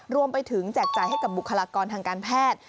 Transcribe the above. แจกจ่ายให้กับบุคลากรทางการแพทย์